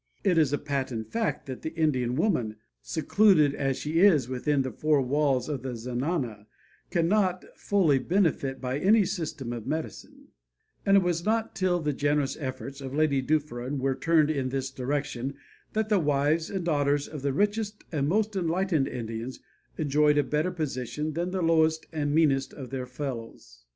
It is a patent fact that the Indian woman, secluded as she is within the four walls of the zenana, cannot fully benefit by any system of medicine; and it was not till the generous efforts of Lady Dufferin were turned in this direction that the wives and daughters of the richest and most enlightened Indians enjoyed a better position than the lowest and meanest of their fellows.